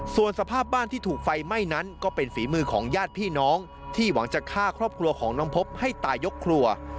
ส่วนสภาพบ้านที่ถูกไฟไหม้นั้นก็เป็นฝีมือของญาติพี่น้องที่หวังจะฆ่าครอบครัวของน้องพบให้ตายยกครัว